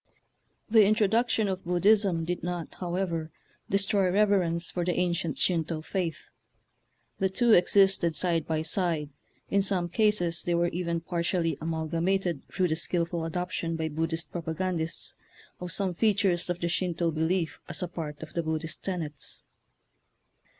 The introduction of Buddhism did not, however, destroy rev erence for the ancient Shinto faith. The two existed side by side; in some cases they were even partially amalgamated through the skilful adoption by Buddhist propagandists of some features of the Shinto belief part of the Buddhist tenets.